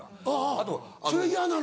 あぁそれ嫌なのか？